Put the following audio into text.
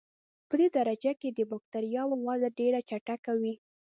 پدې درجه کې د بکټریاوو وده ډېره چټکه وي.